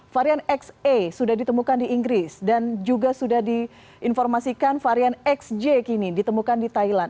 varian xa sudah ditemukan di inggris dan juga sudah diinformasikan varian xj kini ditemukan di thailand